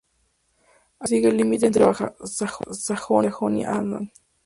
Al comienzo sigue el límite entre Baja Sajonia y Sajonia-Anhalt.